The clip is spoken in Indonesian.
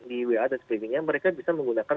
di wa dan sebagainya mereka bisa menggunakan